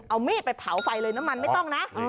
เอามีดไปเผาไฟเลยน้ำมันไม่ต้องนะ